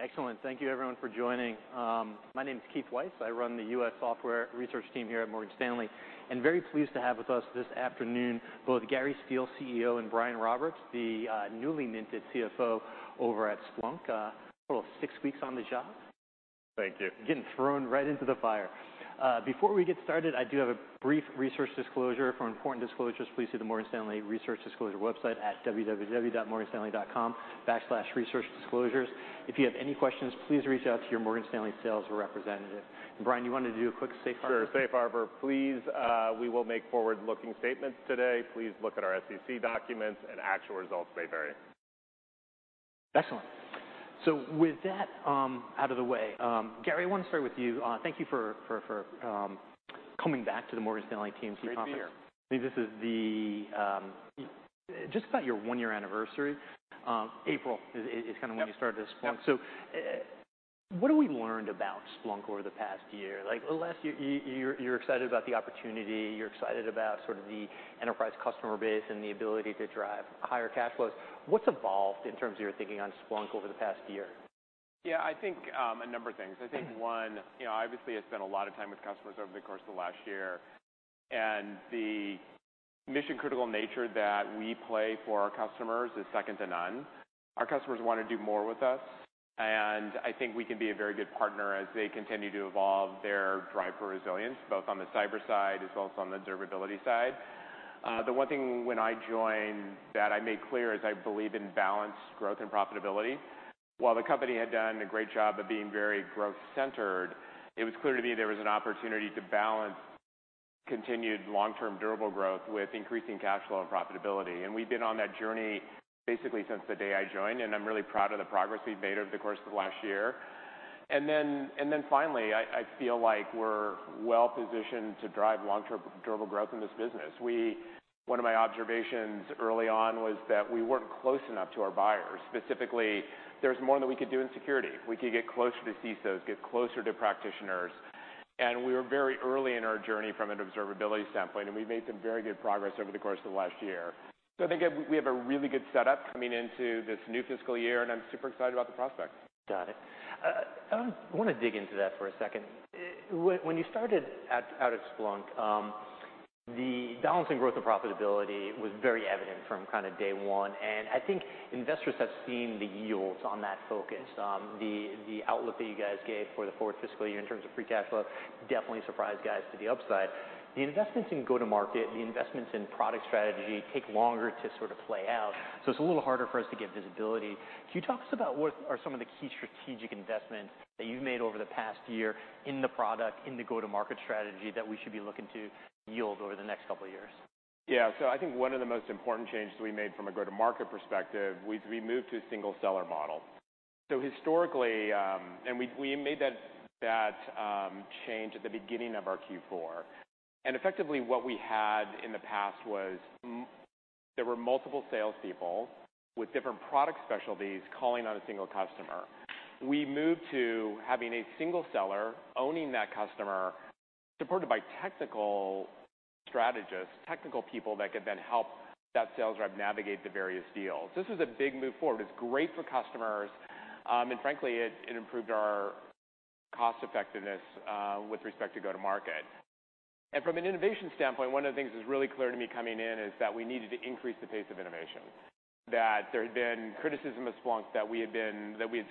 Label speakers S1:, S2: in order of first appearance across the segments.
S1: Excellent. Thank you everyone for joining. My name is Keith Weiss. I run the U.S. Software Research Team here at Morgan Stanley, and very pleased to have with us this afternoon both Gary Steele, CEO, and Brian Roberts, the newly minted CFO over at Splunk. A little six weeks on the job.
S2: Thank you.
S1: Getting thrown right into the fire. Before we get started, I do have a brief research disclosure. For important disclosures, please see the Morgan Stanley Research Disclosures website at www.morganstanley.com/researchdisclosures. If you have any questions, please reach out to your Morgan Stanley sales representative. Brian, you want to do a quick safe harbor?
S2: Sure. Safe harbor, please. We will make forward-looking statements today. Please look at our SEC documents and actual results may vary.
S1: Excellent. With that, out of the way, Gary, I want to start with you. Thank you for coming back to the Morgan Stanley TMT Conference.
S2: Great to be here.
S1: I think this is the just about your one-year anniversary. April is kind of when you started at Splunk.
S2: Yep.
S1: What have we learned about Splunk over the past year? Like last year you're excited about the opportunity, you're excited about sort of the enterprise customer base and the ability to drive higher cash flows. What's evolved in terms of your thinking on Splunk over the past year?
S2: Yeah, I think, a number of things.
S1: Mm-hmm.
S2: I think, one, you know, obviously, I spent a lot of time with customers over the course of last year. The mission-critical nature that we play for our customers is second to none. Our customers want to do more with us, and I think we can be a very good partner as they continue to evolve their drive for resilience, both on the cyber side as well as on the observability side. The one thing when I joined that I made clear is I believe in balanced growth and profitability. While the company had done a great job of being very growth centered, it was clear to me there was an opportunity to balance continued long-term durable growth with increasing cash flow and profitability. We've been on that journey basically since the day I joined, and I'm really proud of the progress we've made over the course of last year. Finally, I feel like we're well-positioned to drive long-term durable growth in this business. One of my observations early on was that we weren't close enough to our buyers. Specifically, there's more that we could do in security. We could get closer to CISOs, get closer to practitioners. We were very early in our journey from an observability standpoint, and we made some very good progress over the course of last year. I think we have a really good setup coming into this new fiscal year, and I'm super excited about the prospects.
S1: Got it. I want to dig into that for a second. When you started at Splunk, the balance and growth of profitability was very evident from kind of day one, and I think investors have seen the yields on that focus. The outlook that you guys gave for the fourth fiscal year in terms of free cash flow definitely surprised guys to the upside. The investments in go-to-market, the investments in product strategy take longer to sort of play out, so it's a little harder for us to get visibility. Can you talk to us about what are some of the key strategic investments that you've made over the past year in the product, in the go-to-market strategy that we should be looking to yield over the next couple of years?
S2: I think one of the most important changes we made from a go-to-market perspective, we moved to a single seller model. Historically, we made that change at the beginning of our Q4. Effectively what we had in the past was there were multiple salespeople with different product specialties calling on a single customer. We moved to having a single seller owning that customer, supported by technical strategists, technical people that could then help that sales rep navigate the various deals. This was a big move forward. It's great for customers, and frankly, it improved our cost effectiveness with respect to go-to-market. From an innovation standpoint, one of the things that's really clear to me coming in is that we needed to increase the pace of innovation. That there had been criticism of Splunk that we had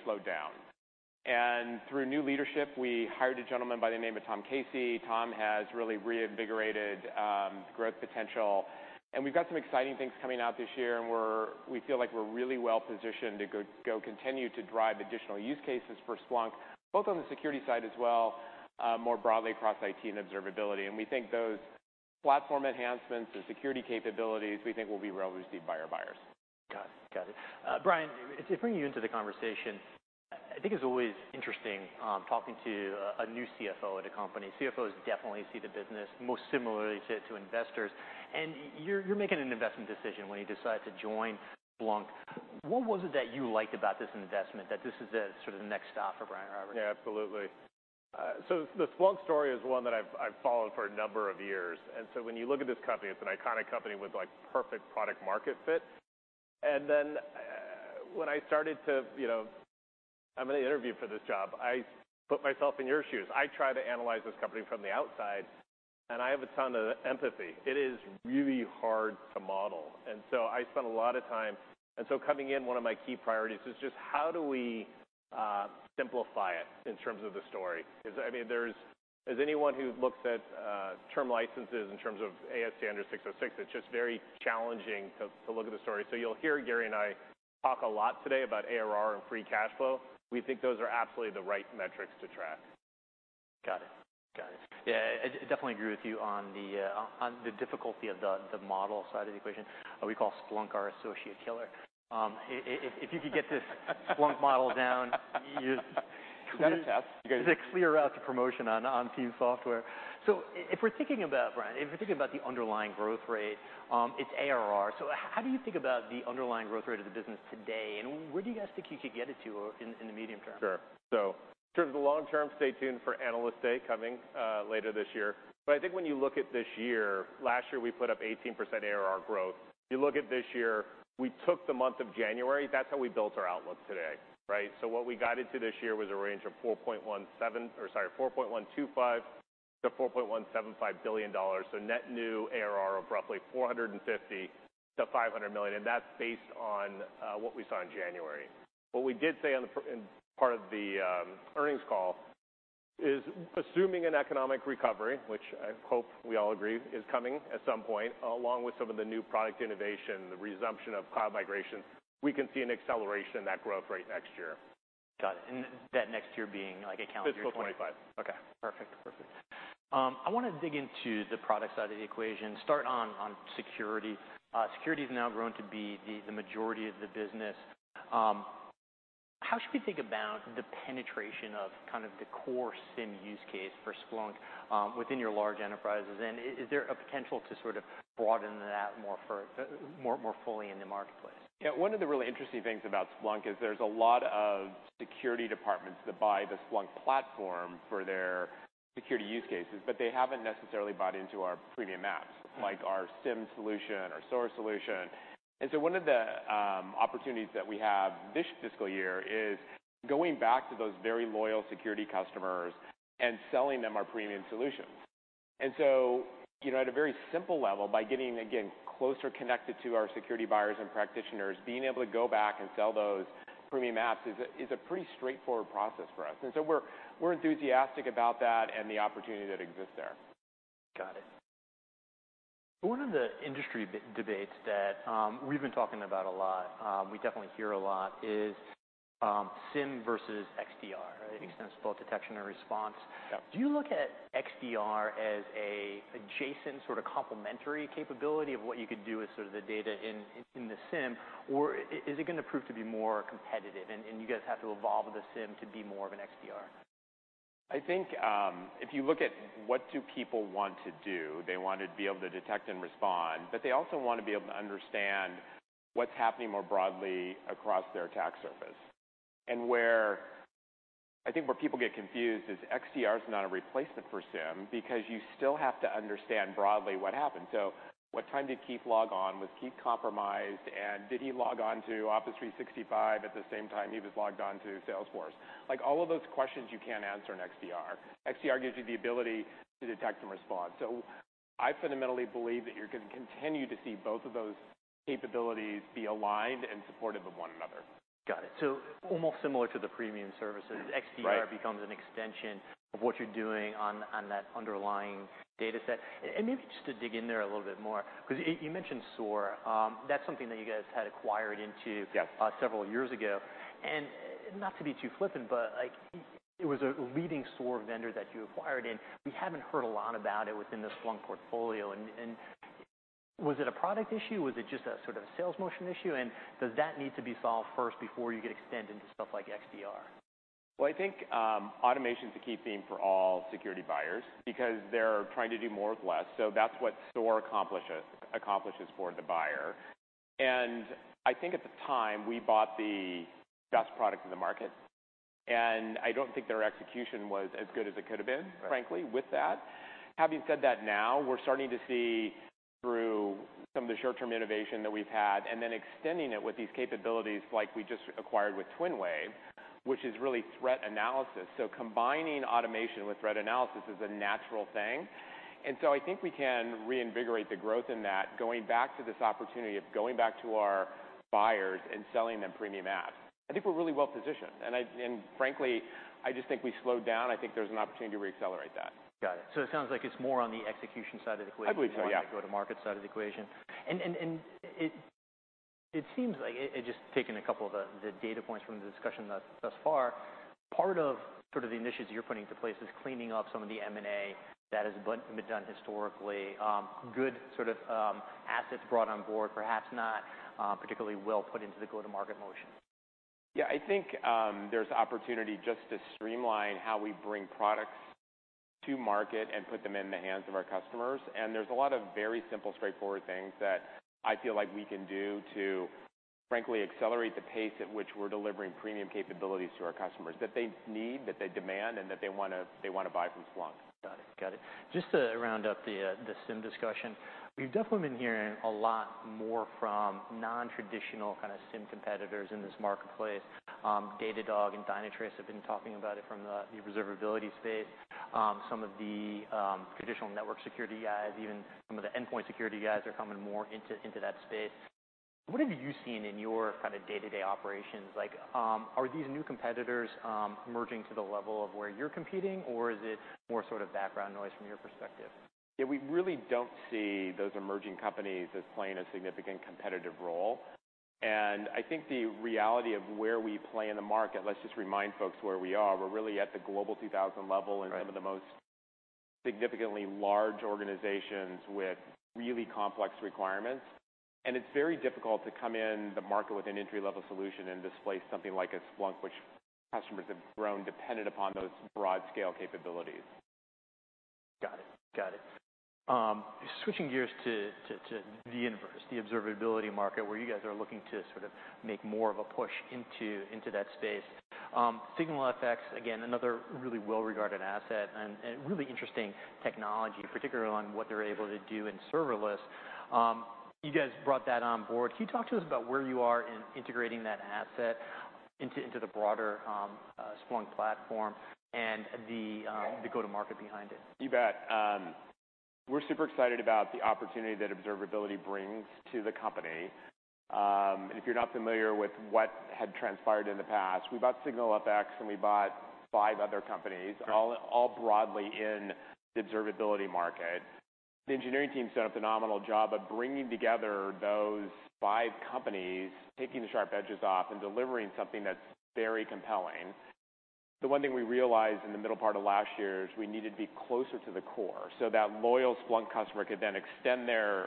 S2: slowed down. Through new leadership, we hired a gentleman by the name of Tom Casey. Tom has really reinvigorated growth potential. We've got some exciting things coming out this year and we feel like we're really well-positioned to go continue to drive additional use cases for Splunk, both on the security side as well, more broadly across IT and observability. We think those platform enhancements, the security capabilities, we think will be well received by our buyers.
S1: Got it. Got it. Brian, to bring you into the conversation, I think it's always interesting, talking to a new CFO at a company. CFOs definitely see the business most similarly to investors. You're making an investment decision when you decide to join Splunk. What was it that you liked about this investment, that this is the sort of next stop for Brian Roberts?
S3: Yeah, absolutely. The Splunk story is one that I've followed for a number of years. When you look at this company, it's an iconic company with like perfect product market fit. Then, when I started to, you know, have an interview for this job, I put myself in your shoes. I try to analyze this company from the outside, and I have a ton of empathy. It is really hard to model. I spent a lot of time. Coming in, one of my key priorities is just how do we simplify it in terms of the story? 'Cause I mean, there's as anyone who looks at term licenses in terms of AIS under ASC 606, it's just very challenging to look at the story. You'll hear Gary and I talk a lot today about ARR and free cash flow. We think those are absolutely the right metrics to track.
S1: Got it. Got it. Yeah. I definitely agree with you on the, on the difficulty of the model side of the equation. We call Splunk our associate killer. If you could get Splunk model down, you.
S3: It's been a test. You guys-
S1: There's a clear route to promotion on team software. If we're thinking about, Brian, if we're thinking about the underlying growth rate, it's ARR. How do you think about the underlying growth rate of the business today, and where do you guys think you could get it to in the medium term?
S3: Sure. In terms of the long term, stay tuned for Analyst Day coming later this year. I think when you look at this year, last year, we put up 18% ARR growth. You look at this year, we took the month of January, that's how we built our outlook today, right? What we got into this year was a range of $4.125 billion-$4.175 billion. Net New ARR of roughly $450 million-$500 million, and that's based on what we saw in January. What we did say in part of the earnings call is assuming an economic recovery, which I hope we all agree is coming at some point, along with some of the new product innovation, the resumption of cloud migration, we can see an acceleration in that growth rate next year.
S1: Got it. That next year being, like, a calendar 20.
S3: Fiscal 2025.
S1: Okay. Perfect. Perfect. I want to dig into the product side of the equation. Start on security. Security's now grown to be the majority of the business. How should we think about the penetration of kind of the core SIEM use case for Splunk within your large enterprises? Is there a potential to sort of broaden that more for more fully in the marketplace?
S2: Yeah. One of the really interesting things about Splunk is there's a lot of security departments that buy the Splunk platform for their security use cases, but they haven't necessarily bought into our premium apps.
S1: Mm-hmm.
S2: like our SIEM solution, our SOAR solution. One of the opportunities that we have this fiscal year is going back to those very loyal security customers and selling them our premium solutions. You know, at a very simple level, by getting, again, closer connected to our security buyers and practitioners, being able to go back and sell those premium apps is a pretty straightforward process for us. We're enthusiastic about that and the opportunity that exists there.
S1: Got it. One of the industry debates that we've been talking about a lot, we definitely hear a lot is SIEM versus XDR, right? Extensible detection and response.
S2: Yeah.
S1: Do you look at XDR as a adjacent sort of complementary capability of what you could do with sort of the data in the SIEM or is it gonna prove to be more competitive and you guys have to evolve the SIEM to be more of an XDR?
S2: I think, if you look at what do people want to do, they want to be able to detect and respond, but they also want to be able to understand what's happening more broadly across their attack surface. I think where people get confused is XDR is not a replacement for SIEM because you still have to understand broadly what happened. What time did Keith log on? Was Keith compromised? Did he log on to Office 365 at the same time he was logged on to Salesforce? Like, all of those questions you can't answer in XDR. XDR gives you the ability to detect and respond. I fundamentally believe that you're gonna continue to see both of those capabilities be aligned and supportive of one another.
S1: Got it. Almost similar to the premium services.
S2: Right.
S1: XDR becomes an extension of what you're doing on that underlying data set. Maybe just to dig in there a little bit more, 'cause you mentioned SOAR. That's something that you guys had acquired.
S2: Yeah..
S1: several years ago. Not to be too flippant, but, like, it was a leading SOAR vendor that you acquired, and we haven't heard a lot about it within the Splunk portfolio. Was it a product issue? Was it just a sort of sales motion issue? Does that need to be solved first before you can extend into stuff like XDR?
S2: I think automation's a key theme for all security buyers because they're trying to do more with less. That's what SOAR accomplishes for the buyer. I think at the time we bought the best product in the market, and I don't think their execution was as good as it could have been.
S1: Right.
S2: frankly, with that. Having said that now, we're starting to see through some of the short-term innovation that we've had and then extending it with these capabilities like we just acquired with TwinWave, which is really threat analysis. I think we can reinvigorate the growth in that, going back to this opportunity of going back to our buyers and selling them premium apps. frankly, I just think we slowed down. I think there's an opportunity to reaccelerate that.
S1: Got it. It sounds like it's more on the execution side of the equation.
S2: I believe so, yeah. than the go-to-market side of the equation. It seems like, and just taking a couple of the data points from the discussion thus far, part of sort of the initiatives you're putting into place is cleaning up some of the M&A that has been done historically. Good sort of assets brought on board, perhaps not particularly well put into the go-to-market motion. Yeah. I think, there's opportunity just to streamline how we bring products to market and put them in the hands of our customers. There's a lot of very simple, straightforward things that I feel like we can do to, frankly, accelerate the pace at which we're delivering premium capabilities to our customers, that they need, that they demand, and that they wanna buy from Splunk.
S1: Got it. Got it. Just to round up the SIEM discussion, we've definitely been hearing a lot more from non-traditional kind of SIEM competitors in this marketplace. Datadog and Dynatrace have been talking about it from the observability space. Some of the traditional network security guys, even some of the endpoint security guys are coming more into that space. What have you seen in your kind of day-to-day operations? Like, are these new competitors emerging to the level of where you're competing, or is it more sort of background noise from your perspective?
S2: Yeah, we really don't see those emerging companies as playing a significant competitive role. I think the reality of where we play in the market, let's just remind folks where we are, we're really at the Global 2000 level.
S1: Right..
S2: and some of the most significantly large organizations with really complex requirements. It's very difficult to come in the market with an entry-level solution and displace something like a Splunk, which customers have grown dependent upon those broad scale capabilities.
S1: Got it. Got it. Switching gears to the inverse, the observability market, where you guys are looking to sort of make more of a push into that space. SignalFx, again, another really well-regarded asset and really interesting technology, particularly on what they're able to do in serverless. You guys brought that on board. Can you talk to us about where you are in integrating that asset? Into the broader Splunk platform and the go-to-market behind it?
S2: You bet. We're super excited about the opportunity that Observability brings to the company. If you're not familiar with what had transpired in the past, we bought SignalFx, and we bought 5 other companies.
S1: Sure.
S2: all broadly in the Observability market. The engineering team's done a phenomenal job of bringing together those five companies, taking the sharp edges off, and delivering something that's very compelling. The one thing we realized in the middle part of last year is we needed to be closer to the core, that loyal Splunk customer could then extend their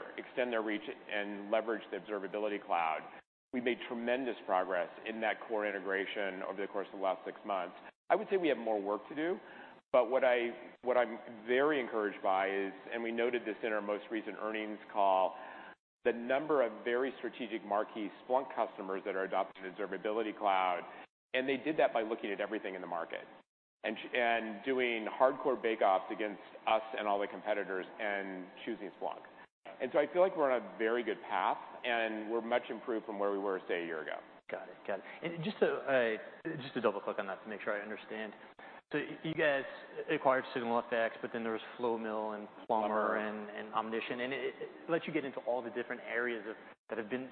S2: reach and leverage the Observability Cloud. We made tremendous progress in that core integration over the course of the last six months. I would say we have more work to do, what I'm very encouraged by is, we noted this in our most recent earnings call, the number of very strategic marquee Splunk customers that are adopting Observability Cloud, they did that by looking at everything in the market. Doing hardcore bake offs against us and all the competitors and choosing Splunk. I feel like we're on a very good path, and we're much improved from where we were, say, a year ago.
S1: Got it. Got it. Just to double-click on that to make sure I understand. You guys acquired SignalFx, but then there was Flowmill and Plumbr and Omnition. It lets you get into all the different areas that have been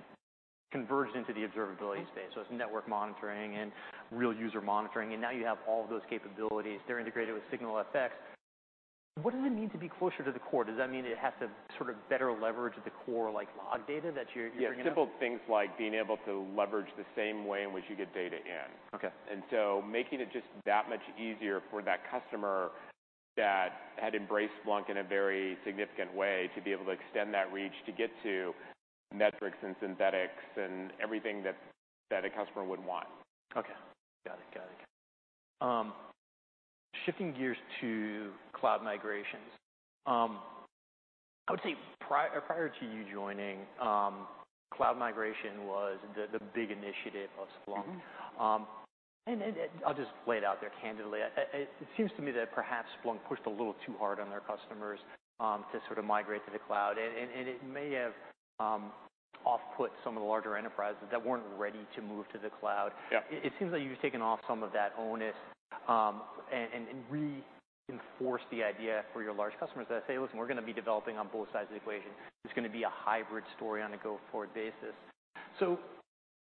S1: converged into the Observability space. It's network monitoring and real user monitoring, and now you have all of those capabilities. They're integrated with SignalFx. What does it mean to be closer to the core? Does that mean it has to sort of better leverage the core, like, log data that you're bringing up?
S2: Yeah, simple things like being able to leverage the same way in which you get data in.
S1: Okay.
S2: Making it just that much easier for that customer that had embraced Splunk in a very significant way to be able to extend that reach to get to metrics and synthetics and everything that a customer would want.
S1: Okay. Got it, got it. Shifting gears to cloud migrations. I would say prior to you joining, cloud migration was the big initiative of Splunk.
S2: Mm-hmm.
S1: I'll just lay it out there candidly. It seems to me that perhaps Splunk pushed a little too hard on their customers to sort of migrate to the cloud. It may have off-put some of the larger enterprises that weren't ready to move to the cloud.
S2: Yeah.
S1: It seems like you've taken off some of that onus, and reinforced the idea for your large customers that say, "Listen, we're gonna be developing on both sides of the equation. It's gonna be a hybrid story on a go-forward basis."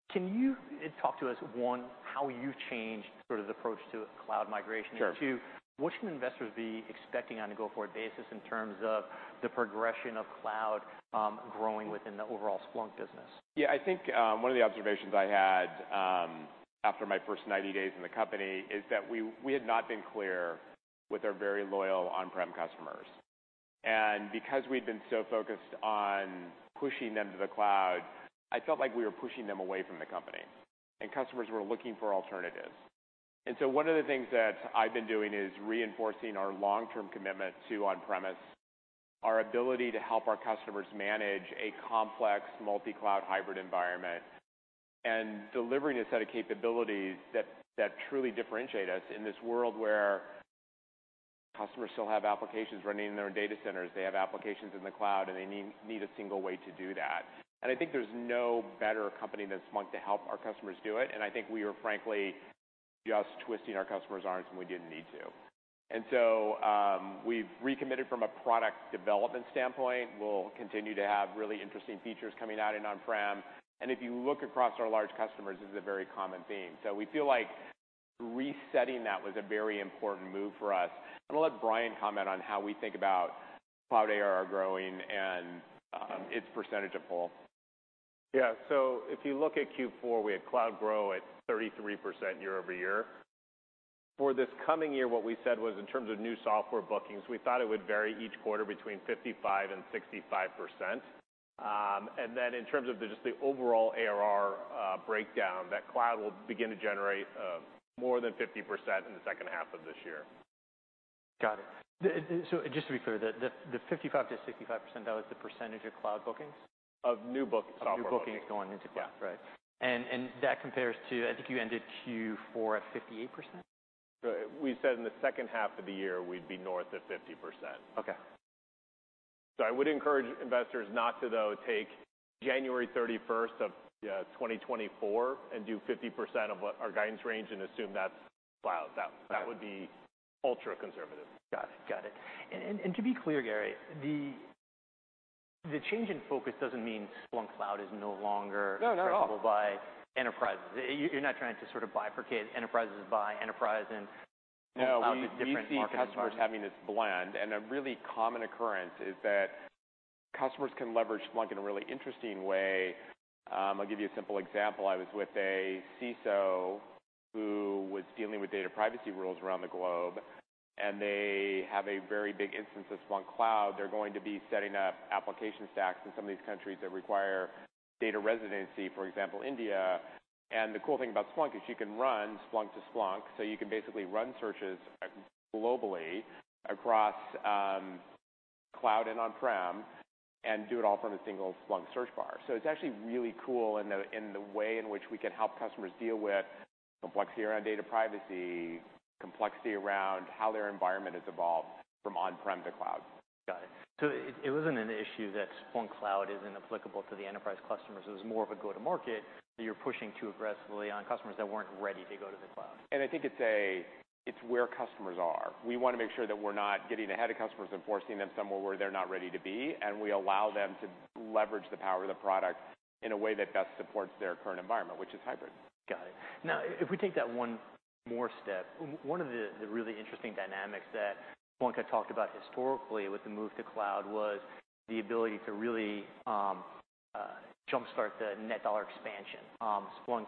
S1: Can you talk to us, one, how you've changed sort of the approach to cloud migration?
S2: Sure.
S1: Two, what should investors be expecting on a go-forward basis in terms of the progression of cloud, growing within the overall Splunk business?
S2: I think, one of the observations I had, after my first 90 days in the company is that we had not been clear with our very loyal on-prem customers. Because we'd been so focused on pushing them to the cloud, I felt like we were pushing them away from the company, and customers were looking for alternatives. One of the things that I've been doing is reinforcing our long-term commitment to on-premise, our ability to help our customers manage a complex multi-cloud hybrid environment, and delivering a set of capabilities that truly differentiate us in this world where customers still have applications running in their data centers. They have applications in the cloud, and they need a single way to do that. I think there's no better company than Splunk to help our customers do it, and I think we were frankly just twisting our customers' arms when we didn't need to. We've recommitted from a product development standpoint. We'll continue to have really interesting features coming out in on-prem. If you look across our large customers, this is a very common theme. We feel like resetting that was a very important move for us. I'm gonna let Brian comment on how we think about cloud ARR growing and its percentage of pull.
S1: If you look at Q4, we had cloud grow at 33% year-over-year. For this coming year, what we said was in terms of new software bookings, we thought it would vary each quarter between 55%-65%. In terms of just the overall ARR breakdown, that cloud will begin to generate more than 50% in the second half of this year. Got it. Just to be clear, the 55%-65%, that was the percentage of cloud bookings?
S2: Of new bookings, software bookings.
S1: Of new bookings going into cloud.
S2: Yeah.
S1: Right. That compares to, I think you ended Q4 at 58%?
S2: We said in the second half of the year we'd be north of 50%.
S1: Okay.
S2: I would encourage investors not to though take 31st January of, 2024 and do 50% of what our guidance range and assume that's cloud. That would be ultra-conservative.
S1: Got it. To be clear, Gary, the change in focus doesn't mean Splunk Cloud is no longer.
S2: No, not at all.
S1: available by enterprises. You're not trying to sort of bifurcate enterprises by enterprise and cloud is a different market environment.
S2: No, we see customers having this blend. A really common occurrence is that customers can leverage Splunk in a really interesting way. I'll give you a simple example. I was with a CISO who was dealing with data privacy rules around the globe. They have a very big instance of Splunk Cloud. They're going to be setting up application stacks in some of these countries that require data residency, for example, India. The cool thing about Splunk is you can run Splunk to Splunk. You can basically run searches globally across Cloud and on-prem, and do it all from a single Splunk search bar. It's actually really cool in the way in which we can help customers deal with complexity around data privacy, complexity around how their environment has evolved from on-prem to cloud.
S1: Got it. It wasn't an issue that Splunk Cloud isn't applicable to the enterprise customers, it was more of a go-to-market that you're pushing too aggressively on customers that weren't ready to go to the cloud.
S2: I think it's where customers are. We wanna make sure that we're not getting ahead of customers and forcing them somewhere where they're not ready to be, and we allow them to leverage the power of the product in a way that best supports their current environment, which is hybrid.
S1: Got it. If we take that one more step, one of the really interesting dynamics that Splunk had talked about historically with the move to cloud was the ability to really jumpstart the net dollar expansion. Splunk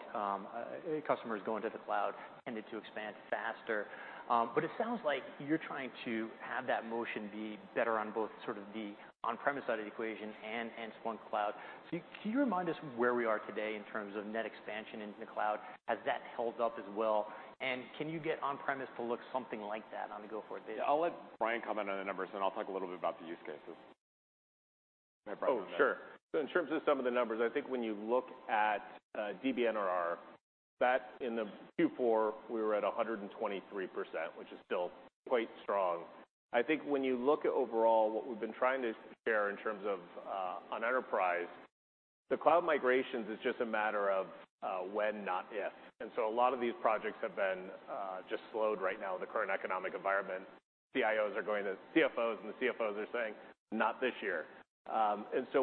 S1: customers going to the cloud tended to expand faster. It sounds like you're trying to have that motion be better on both sort of the on-premise side of the equation and Splunk Cloud. Can you remind us where we are today in terms of net expansion into the cloud? Has that held up as well? Can you get on-premise to look something like that on the go forward basis?
S2: I'll let Brian comment on the numbers, and I'll talk a little bit about the use cases.
S1: Oh, sure.
S2: You might borrow that.
S1: In terms of some of the numbers, I think when you look at DBNRR, that in the Q4, we were at 123%, which is still quite strong. I think when you look at overall what we've been trying to share in terms of on enterprise, the cloud migrations is just a matter of when, not if. A lot of these projects have been just slowed right now in the current economic environment. CIOs are going to CFOs, and the CFOs are saying, "Not this year."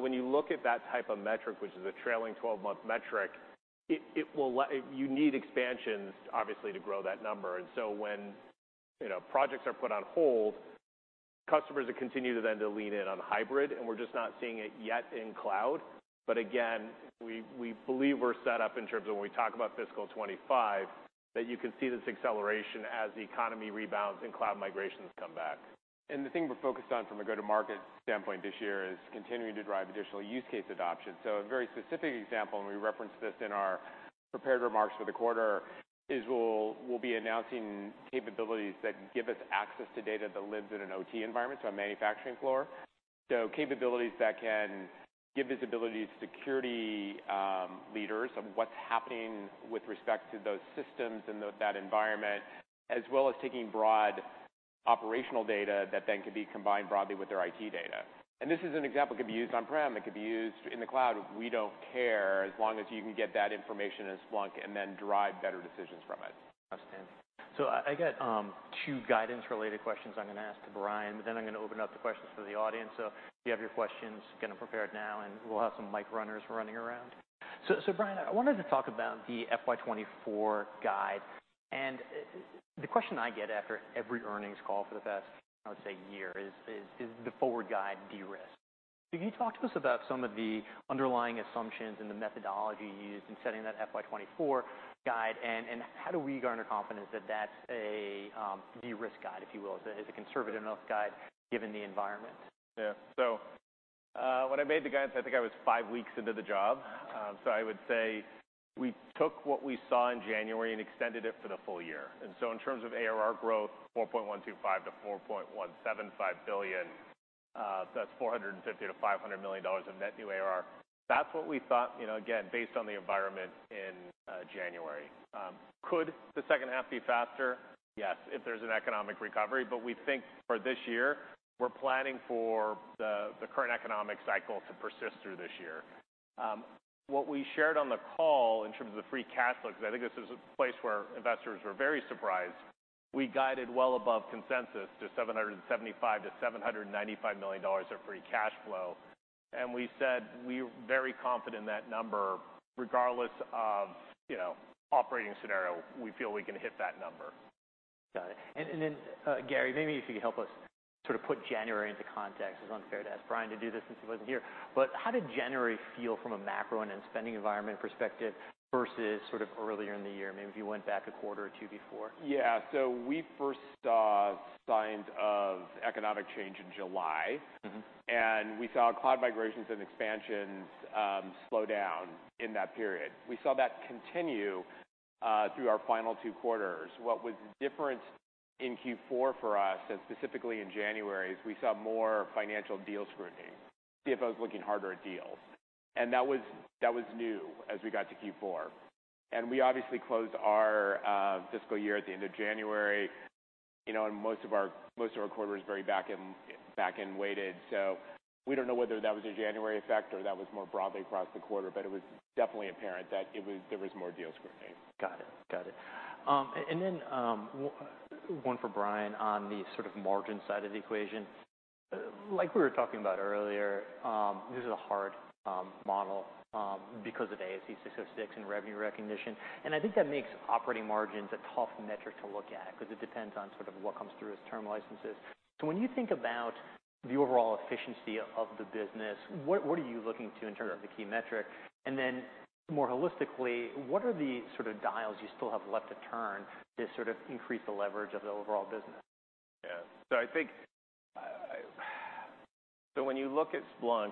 S1: When you look at that type of metric, which is a trailing 12-month metric, it will. You need expansions, obviously, to grow that number. When, you know, projects are put on hold, customers continue to then to lean in on hybrid, and we're just not seeing it yet in cloud. Again, we believe we're set up in terms of when we talk about fiscal 2025, that you can see this acceleration as the economy rebounds and cloud migrations come back.
S2: The thing we're focused on from a go-to-market standpoint this year is continuing to drive additional use case adoption. A very specific example, and we referenced this in our prepared remarks for the quarter, is we'll be announcing capabilities that give us access to data that lives in an OT environment, so a manufacturing floor. Capabilities that can give visibility to security leaders of what's happening with respect to those systems and that environment, as well as taking broad operational data that then can be combined broadly with their IT data. This is an example, it could be used on-prem, it could be used in the cloud. We don't care, as long as you can get that information in Splunk, and then derive better decisions from it.
S1: Understood. I got 2 guidance-related questions I'm gonna ask to Brian, but then I'm gonna open up the questions to the audience. If you have your questions, get them prepared now, and we'll have some mic runners running around. Brian, I wanted to talk about the FY 2024 guide. The question I get after every earnings call for the past, I would say year is: Is the forward guide de-risked? Can you talk to us about some of the underlying assumptions and the methodology you used in setting that FY 2024 guide? How do we garner confidence that that's a de-risked guide, if you will? Is it a conservative enough guide given the environment?
S3: Yeah. When I made the guidance, I think I was five weeks into the job. I would say we took what we saw in January and extended it for the full year. In terms of ARR growth, $4.125 billion-$4.175 billion, that's $500 million-$500 million of net new ARR. That's what we thought, you know, again, based on the environment in January. Could the second half be faster? Yes, if there's an economic recovery. We think for this year, we're planning for the current economic cycle to persist through this year. What we shared on the call in terms of the free cash flow, because I think this is a place where investors were very surprised. We guided well above consensus to $775 million-$795 million of free cash flow. We said we're very confident in that number regardless of, you know, operating scenario. We feel we can hit that number.
S1: Got it. Then Gary, maybe if you could help us sort of put January into context. It's unfair to ask Brian to do this since he wasn't here. How did January feel from a macro and spending environment perspective versus sort of earlier in the year, maybe if you went back a quarter or two before?
S2: Yeah. We first saw signs of economic change in July.
S1: Mm-hmm.
S2: We saw cloud migrations and expansions slow down in that period. We saw that continue through our final two quarters. What was different in Q4 for us, and specifically in January, is we saw more financial deal scrutiny, CFOs looking harder at deals. That was new as we got to Q4. We obviously closed our fiscal year at the end of January, you know, most of our quarter is very back-end weighted. We don't know whether that was a January effect or that was more broadly across the quarter, but it was definitely apparent that there was more deal scrutiny.
S1: Got it. Got it. Then, one for Brian on the sort of margin side of the equation. Like we were talking about earlier, this is a hard model because of ASC 606 and revenue recognition. I think that makes operating margins a tough metric to look at because it depends on sort of what comes through as term licenses. When you think about the overall efficiency of the business, what are you looking to in terms of the key metric? Then more holistically, what are the sort of dials you still have left to turn to sort of increase the leverage of the overall business?
S3: When you look at Splunk,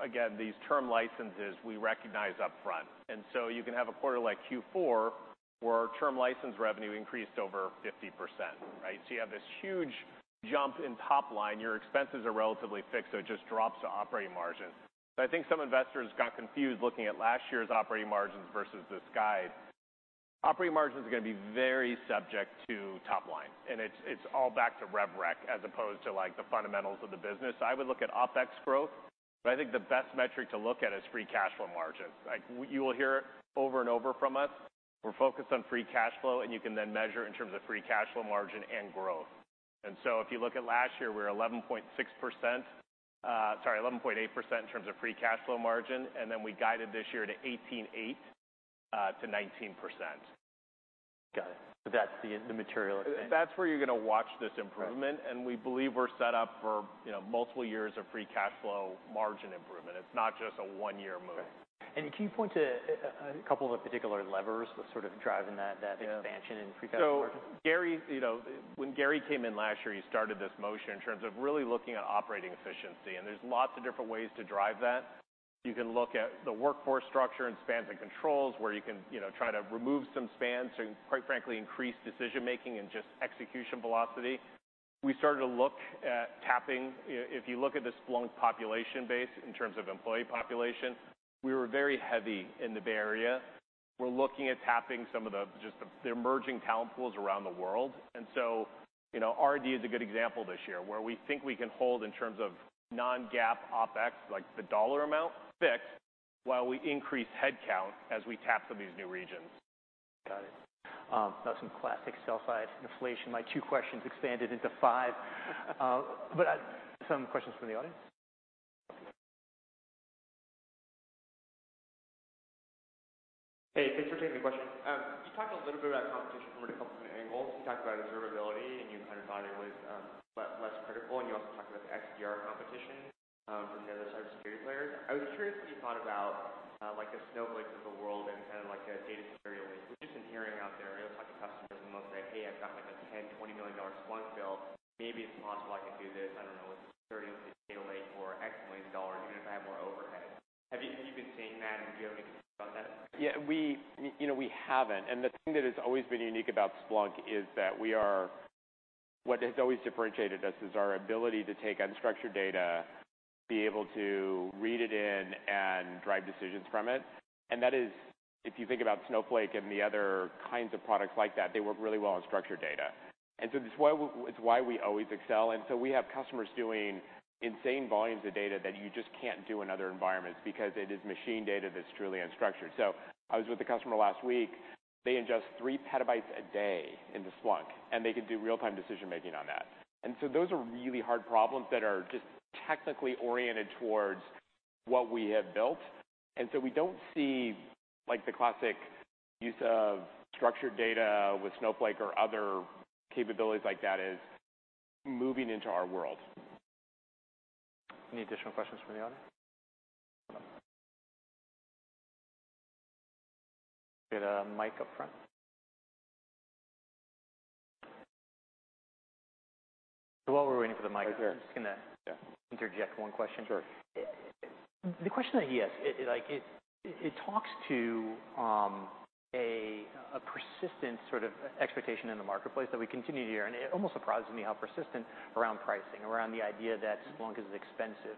S3: again, these term licenses we recognize upfront. You can have a quarter like Q4, where our term license revenue increased over 50%, right? You have this huge jump in top line. Your expenses are relatively fixed, so it just drops to operating margin. I think some investors got confused looking at last year's operating margins versus this guide. Operating margins are gonna be very subject to top line, and it's all back to rev rec as opposed to, like, the fundamentals of the business. I would look at OpEx growth, but I think the best metric to look at is free cash flow margin. Like, you will hear it over and over from us, we're focused on free cash flow, and you can then measure in terms of free cash flow margin and growth. If you look at last year, we were 11.6%, sorry, 11.8% in terms of free cash flow margin, and then we guided this year to 18.8%-19%.
S1: Got it. That's the material thing.
S2: That's where you're gonna watch this improvement.
S1: Right.
S3: We believe we're set up for, you know, multiple years of free cash flow margin improvement. It's not just a one-year move.
S1: Right. Can you point to a couple of particular levers that are sort of driving that?
S3: Yeah.
S1: expansion in free cash flow margin?
S3: Gary, you know, when Gary came in last year, he started this motion in terms of really looking at operating efficiency. There's lots of different ways to drive that. You can look at the workforce structure and spans and controls, where you can, you know, try to remove some spans to, quite frankly, increase decision-making and just execution velocity. We started to look at tapping. If you look at the Splunk population base in terms of employee population, we were very heavy in the Bay Area. We're looking at tapping some of the, just the emerging talent pools around the world. You know, R&D is a good example this year, where we think we can hold in terms of non-GAAP OpEx, like the dollar amount, fixed, while we increase headcount as we tap some of these new regions.
S1: Got it. That was some classic sell-side inflation. My two questions expanded into 5. Some questions from the audience.
S4: Thanks for taking the question. You talked a little bit about competition from a couple different angles. You talked about observability, and you kind of thought it was less critical, and you also talked about the XDR competition from the other cyber security players. I was curious what you thought about like the Snowflake of the world and kind of like a data security lake. We've just been hearing out there, you know, talking to customers and they'll say, "Hey, I've got like a $10 million-$20 million Splunk bill. Maybe it's possible I could do this, I don't know, with 30 with a data lake for $X million, even if I have more overhead." Have you, have you been seeing that, and do you have any thoughts on that?
S2: Yeah, you know, we haven't. The thing that has always been unique about Splunk is that what has always differentiated us is our ability to take unstructured data, be able to read it in, and drive decisions from it. That is, if you think about Snowflake and the other kinds of products like that, they work really well on structured data. It's why we always excel, and we have customers doing insane volumes of data that you just can't do in other environments because it is machine data that's truly unstructured. I was with a customer last week. They ingest 3 petabytes a day into Splunk, and they can do real-time decision-making on that. Those are really hard problems that are just technically oriented towards what we have built. We don't see, like, the classic use of structured data with Snowflake or other capabilities like that as moving into our world.
S1: Any additional questions from the audience? Get a mic up front. While we're waiting for the mic.
S2: Right there..
S1: just
S2: Yeah.
S1: Interject one question.
S2: Sure.
S1: The question that he asked, it, like, it talks to, a persistent sort of expectation in the marketplace that we continue to hear, and it almost surprises me how persistent around pricing, around the idea that Splunk is expensive.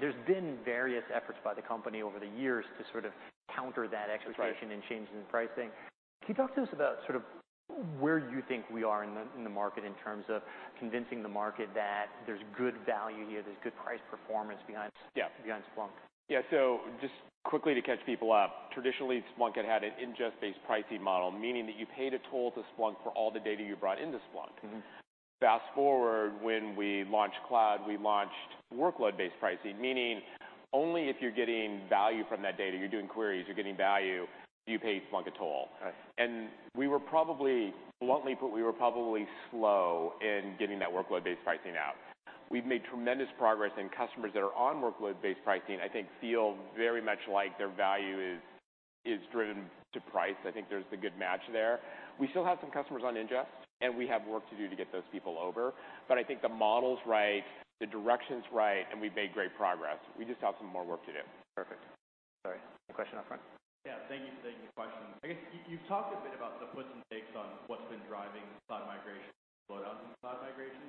S1: There's been various efforts by the company over the years to sort of counter that expectation.
S2: Right.
S1: and changes in pricing. Can you talk to us about sort of where you think we are in the, in the market in terms of convincing the market that there's good value here, there's good price performance?
S2: Yeah
S1: behind Splunk?
S2: Yeah. Just quickly to catch people up, traditionally, Splunk had an ingest pricing model, meaning that you paid a toll to Splunk for all the data you brought into Splunk.
S1: Mm-hmm.
S2: Fast-forward, when we launched cloud, we launched workload pricing, meaning only if you're getting value from that data, you're doing queries, you're getting value, do you pay Splunk a toll.
S1: Okay.
S2: We were probably, bluntly put, we were probably slow in getting that workload pricing out. We've made tremendous progress, and customers that are on workload pricing, I think, feel very much like their value is driven to price. I think there's a good match there. We still have some customers on ingest, and we have work to do to get those people over. I think the model's right, the direction's right, and we've made great progress. We just have some more work to do.
S1: Perfect. Sorry. A question up front.
S4: Yeah. Thank you for taking the question. I guess you've talked a bit about the puts and takes on what's been driving cloud migration, slowdowns in cloud migration.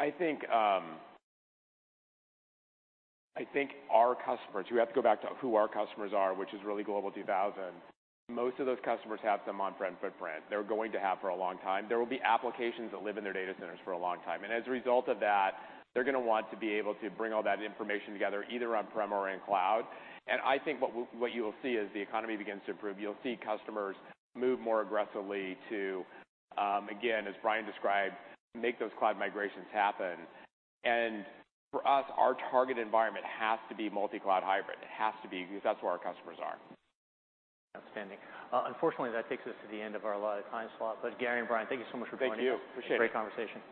S2: I think our customers, you have to go back to who our customers are, which is really Global 2000. Most of those customers have some on-prem footprint. They're going to have for a long time. There will be applications that live in their data centers for a long time. As a result of that, they're gonna want to be able to bring all that information together, either on-prem or in cloud. I think what what you'll see as the economy begins to improve, you'll see customers move more aggressively to, again, as Brian described, make those cloud migrations happen. For us, our target environment has to be multi-cloud hybrid. It has to be, because that's where our customers are.
S1: Outstanding. Unfortunately, that takes us to the end of our allotted time slot. Gary and Brian, thank you so much for joining us.
S2: Thank you. Appreciate it.
S1: Great conversation.